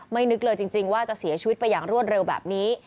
นึกเลยจริงว่าจะเสียชีวิตไปอย่างรวดเร็วแบบนี้